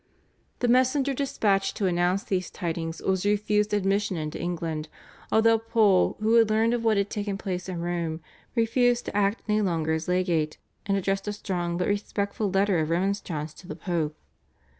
The messenger dispatched to announce these tidings was refused admission into England, although Pole who had learned of what had taken place in Rome refused to act any longer as legate, and addressed a strong but respectful letter of remonstrance to the Pope.